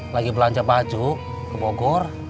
lagi belanja baju ke bogor